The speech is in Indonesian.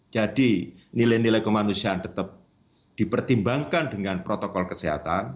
jadi nilai nilai kemanusiaan tetap dipertimbangkan dengan protokol kesehatan